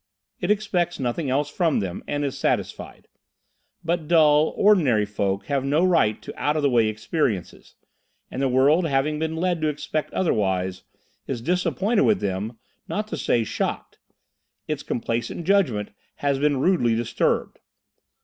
It expects nothing else from them, and is satisfied. But dull, ordinary folk have no right to out of the way experiences, and the world having been led to expect otherwise, is disappointed with them, not to say shocked. Its complacent judgment has been rudely disturbed.